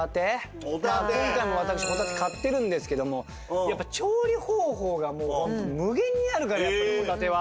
今回も私ホタテ買ってるんですけどもやっぱ調理方法がもうホント無限にあるからホタテは。